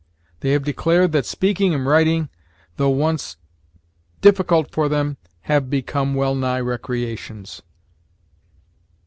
They have declared that speaking and writing, though once difficult for them, have become well nigh recreations."